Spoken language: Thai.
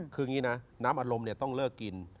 คืออย่างนี้นะน้ำอารมณ์ต้องเลิกกิน